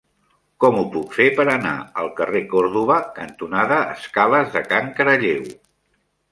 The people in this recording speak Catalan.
Com ho puc fer per anar al carrer Còrdova cantonada Escales de Can Caralleu?